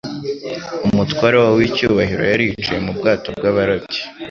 Umutware wabo w'icyubahiro yari yicaye mu bwato bw'abarobyi,